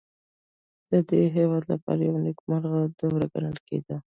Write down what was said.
دا د دې هېواد لپاره یوه نېکمرغه دوره ګڼل کېده.